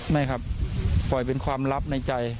ไม่ครับปล่อยเป็นความลับในใจ